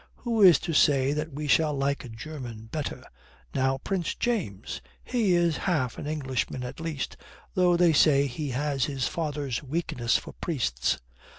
Who is to say that we shall like a German better? Now Prince James he is half an Englishman at least, though they say he has his father's weakness for priests.